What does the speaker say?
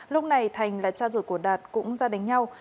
lúc này thành là cha ruột của đạt cũng ra đánh nhau